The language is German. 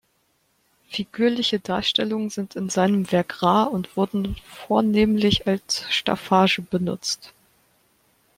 Figürliche Darstellungen sind in seinem Werk rar und wurden vornehmlich als Staffage benutzt.